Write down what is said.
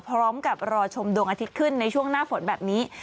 พร้อมกับรอชมดวงอาทิตย์ขึ้นในช่วงหน้าฝนแบบนี้